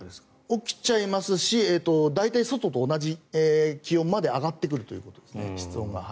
起きちゃいますし大体、外と同じ気温ぐらいまで上がってくるということです室温が。